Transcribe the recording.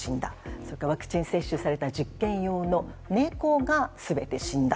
そして、ワクチン接種された実験用のネコが全て死んだ。